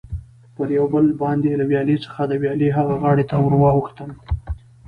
پر یو پل باندې له ویالې څخه د ویالې ها غاړې ته ور واوښتم.